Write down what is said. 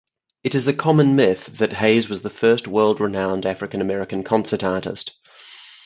It is a common myth that Hayes was the first world-renowned African-American concert artist.